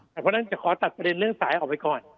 เพราะฉะนั้นจะขอตัดประเด็นเรื่องสายออกไปก่อน